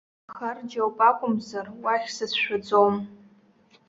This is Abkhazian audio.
Ахарџь ауп акәымзар, уахь сацәшәаӡом!